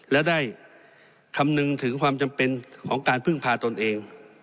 และได้คำนึงถึงความจำเป็นของการพึ่งพาตนเอง